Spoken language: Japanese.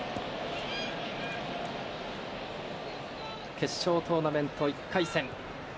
決勝トーナメント、１回戦。